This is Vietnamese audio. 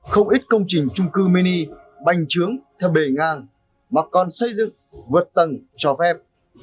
không ít công trình trung cư mini bành trướng theo bề ngang mà còn xây dựng vượt tầng cho phép